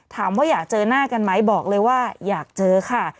อยากเจอหน้ากันไหมบอกเลยว่าอยากเจอค่ะ